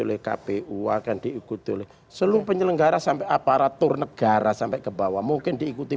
oleh kpu akan diikuti seluruh penyelenggara sampai aparatur negara sampai kebawah mungkin diikuti